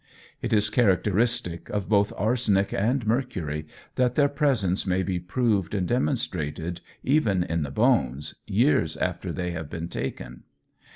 It is characteristic of both arsenic and mercury, that their presence may be proved and demonstrated, even in the bones, years after they have been taken.